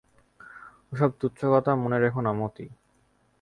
ওসব তুচ্ছ কথা মনে রেখো না মতি।